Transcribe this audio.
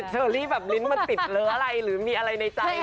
เธอรี่รินต์มาติดเรื้ออะไรหรือมีอะไรในใจ